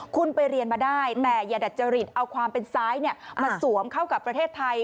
คุณไปเรียนมาได้แต่อย่าดัจจริตเอาความเป็นซ้ายมาสวมเข้ากับประเทศไทย